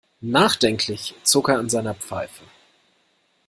Nachdenklich zog er an seiner Pfeife.